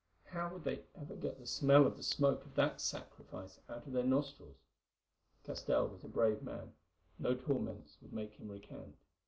How would they ever get the smell of the smoke of that sacrifice out of their nostrils? Castell was a brave man; no torments would make him recant.